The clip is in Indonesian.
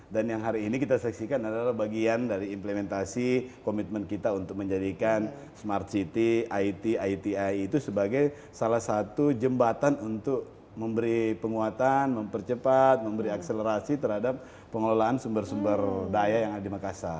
dan yang hari ini kita seksikan adalah bagian dari implementasi komitmen kita untuk menjadikan smart city it itai itu sebagai salah satu jembatan untuk memberi penguatan mempercepat memberi akselerasi terhadap pengelolaan sumber sumber daya yang ada di makassar